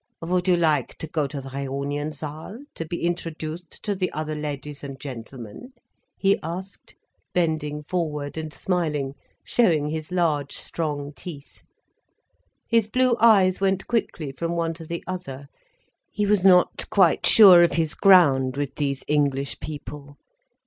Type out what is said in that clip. "Would you like to go to the Reunionsaal to be introduced to the other ladies and gentlemen?" he asked, bending forward and smiling, showing his large, strong teeth. His blue eyes went quickly from one to the other—he was not quite sure of his ground with these English people.